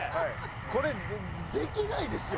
これできないですよ